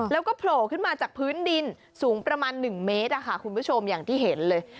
แล้วก็โผล่ขึ้นมาจากพื้นดินสูงประมาณ๑เมตรคุณผู้ชมอย่างที่เห็นเลย